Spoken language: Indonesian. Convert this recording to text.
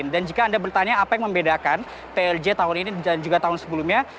dan jika anda bertanya apa yang membedakan prj tahun ini dan juga tahun sebelumnya